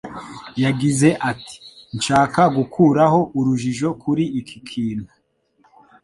Yagize ati “Nshaka gukuraho urujijo kuri iki kintu